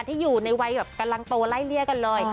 ที่อยู่ในวัยแบบกำลังโตไล่เลี่ยกันเลย